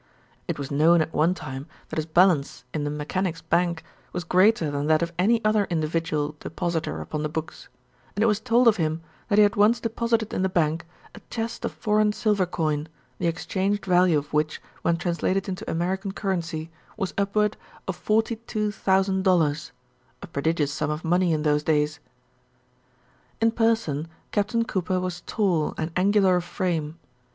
It was known at one time that his balance in the Mechanics' Bank was greater than that of any other individual depositor upon the books, and it was told of him that he had once deposited in the bank a chest of foreign silver coin, the exchanged value of which, when translated into American currency, was upward of forty two thousand dollars a prodigious sum of money in those days. In person, Captain Cooper was tall and angular of frame.